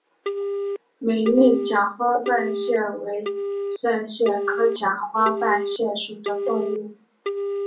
美丽假花瓣蟹为扇蟹科假花瓣蟹属的动物。